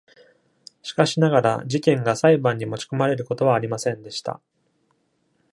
しかしながら、事件が裁判に持ち込まれることはありませんでした。